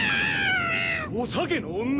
おさげの女！